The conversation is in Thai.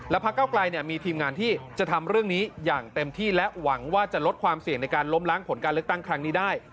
พักเก้าไกลมีทีมงานที่จะทำเรื่องนี้อย่างเต็มที่และหวังว่าจะลดความเสี่ยงในการล้มล้างผลการเลือกตั้งครั้งนี้ได้